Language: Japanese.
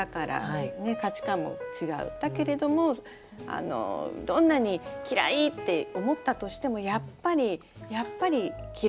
だけれどもどんなに嫌いって思ったとしてもやっぱりやっぱり嫌いになれない。